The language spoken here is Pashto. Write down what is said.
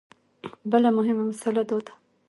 بله مهمه مسله دا ده.